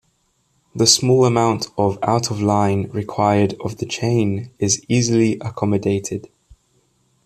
The small amount of out-of-line required of the chain is easily accommodated.